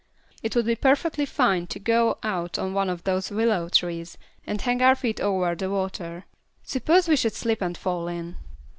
It would be perfectly fine to go out on one of those willow trees, and hang our feet over the water." "Suppose we should slip and fall in."